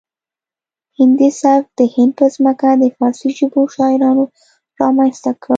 هندي سبک د هند په ځمکه د فارسي ژبو شاعرانو رامنځته کړ